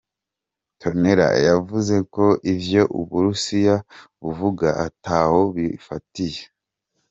Toner yavuze ko ivyo Uburusiya buvuga ata ho bifatiye.